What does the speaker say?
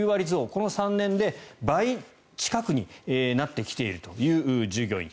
この３年で倍近くになってきているという従業員。